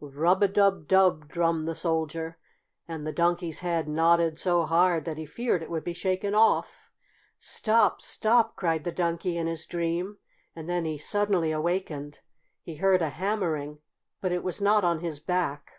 "Rub a dub dub!" drummed the Soldier, and the Donkey's head nodded so hard that he feared it would be shaken off. "Stop! Stop!" cried the Donkey in his dream, and then he suddenly awakened. He heard a hammering, but it was not on his back.